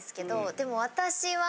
でも私は。